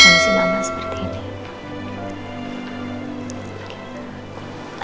nasi mama seperti ini